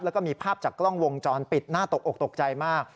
แล้วก็มีภาพจากกล้องวงจรปิดน่าตกอกตกใจมาก